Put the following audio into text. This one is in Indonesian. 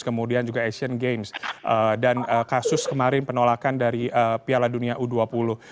kemudian juga asian games dan kasus kemarin penolakan dari piala dunia u dua puluh